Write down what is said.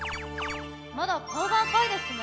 まだ顔が赤いですね